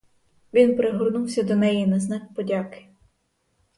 Він пригорнувся до неї на знак подяки.